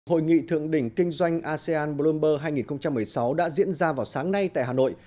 hội nghị thượng đỉnh kinh doanh asean bloomber hai nghìn một mươi sáu đã diễn ra vào sáng nay tại hà nội